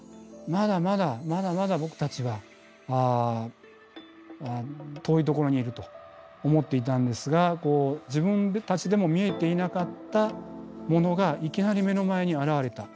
まだまだまだまだ僕たちは遠いところにいると思っていたんですが自分たちでも見えていなかったものがいきなり目の前に現れた。